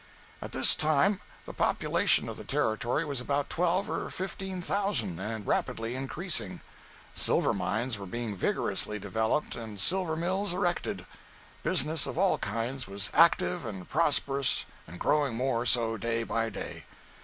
At this time the population of the Territory was about twelve or fifteen thousand, and rapidly increasing. Silver mines were being vigorously developed and silver mills erected. Business of all kinds was active and prosperous and growing more so day by day.